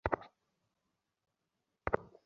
নিয়ম তাঁহাকে চালিত করে না, তাঁহারই ইচ্ছায় নিয়ম চালু হয়।